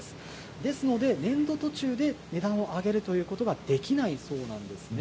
ですので、年度途中で値段を上げるということができないそうなんですね。